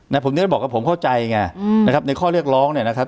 ผมจะได้บอกว่าผมเข้าใจไงอืมนะครับในข้อเรียกร้องเนี่ยนะครับ